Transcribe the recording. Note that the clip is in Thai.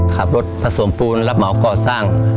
ขับรถผสมปูนรับเหมาก่อสร้าง